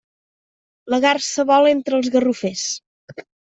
La garsa vola entre els garrofers.